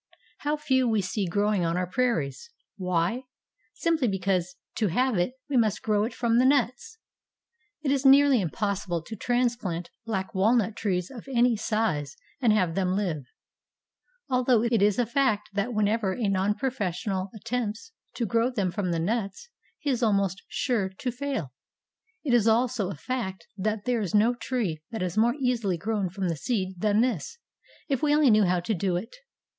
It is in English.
How few we see growing on our prairies. Why? Simply because to have it we must grow it from the nuts. It is nearly impossible to transplant black walnut trees of any size and have them live; although it is a fact that whenever a non professional attempts to grow them from the nuts he is almost sure to fail, it is also a fact that there is no tree that is more easily grown from the seed than this, if we only know how to do it.